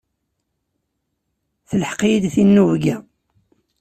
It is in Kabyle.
Telḥeq-iyi-d tinubga.